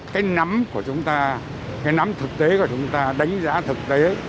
cái nắm của chúng ta cái nắm thực tế của chúng ta đánh giá thực tế